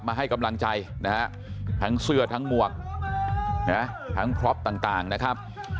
ให้กำลังใจนะฮะทั้งเสื้อทั้งหมวกทั้งพร็อปต่างนะครับ